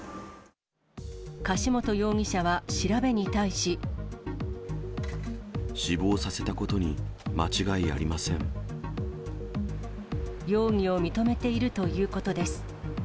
柏本容疑者は調べに対し。死亡させたことに間違いあり容疑を認めているということです。